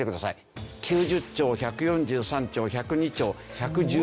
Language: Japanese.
９０兆１４３兆１０２兆１１２兆。